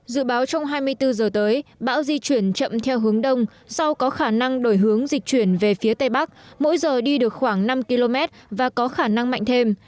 dự báo trong hai mươi bốn giờ tới bão di chuyển chậm theo hướng đông sau có khả năng đổi hướng dịch chuyển về phía tây bắc mỗi giờ đi được khoảng năm km và có khả năng mạnh thêm